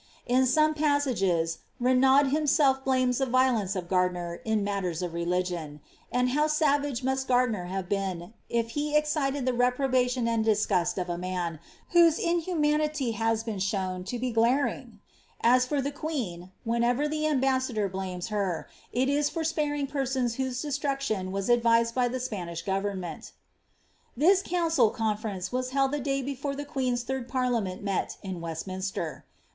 * e other passages, Renaud himself blames the violence of Gardiner ers of religion ; and how savage must Gardiner have been, if he the reprobation and disgust of a man, whose inhumanity has lown to be glaring ? As for the queen, whenever the ambassador her, it is for sparing persons whose destruction was advised by jiish government. council conference was held the day before the queen's third ent met in Westminster.